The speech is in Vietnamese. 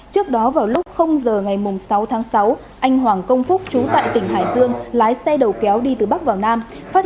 trước đó vào lúc giờ ngày sáu tháng sáu anh hoàng công phúc chú tại tỉnh hải dương lái xe đầu kéo đi từ bắc vào nam